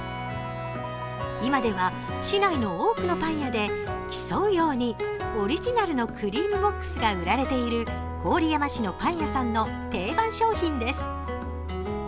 今では市内の多くのパン屋で競うようにオリジナルのクリームボックスが売られている郡山市のパン屋さんの定番商品です。